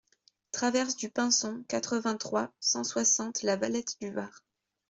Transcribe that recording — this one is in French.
Traverse du Pinson, quatre-vingt-trois, cent soixante La Valette-du-Var